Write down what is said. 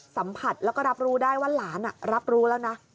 สัมผัสแล้วก็รับรู้ได้ว่าหลานรับรู้แล้วนะ